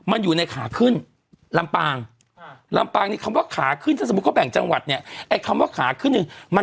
อันนี้เขาถือว่ามันขาขึ้น